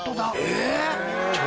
えっ！